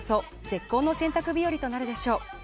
絶好の洗濯日和となるでしょう。